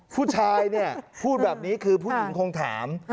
ผู้ชายเนี่ยพูดแบบนี้คือผู้หญิงคงถาม